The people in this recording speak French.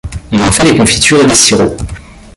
On en fait des confitures et des sirops.